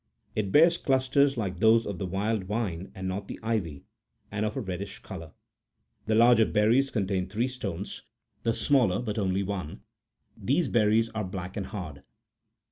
It bears clusters like those of the wild vine and not the ivy, and of a reddish colour. The larger berries contain three stones, the smaller but one only : these berries are black and hard.